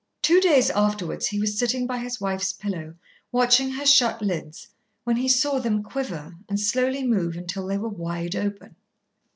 Two days afterwards he was sitting by his wife's pillow, watching her shut lids, when he saw them quiver and slowly move until they were wide open.